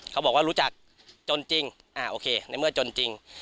เขาบอกว่ารู้จักจนจริงอ่าโอเคในเมื่อจนจริง